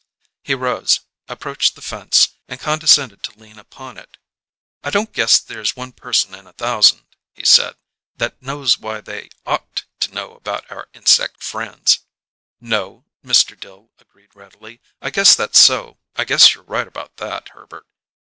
He rose, approached the fence, and condescended to lean upon it. "I don't guess there's one person in a thousand," he said, "that knows what they ought to know about our inseck friends." "No," Mr. Dill agreed readily. "I guess that's so. I guess you're right about that, Herbert.